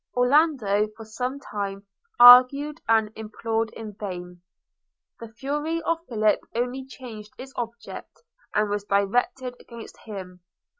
Orlando for some time argued and implored in vain. The fury of Philip only changed its object, and was directed against him.